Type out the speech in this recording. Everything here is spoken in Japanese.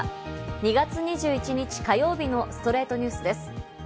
２月２１日、火曜日の『ストレイトニュース』です。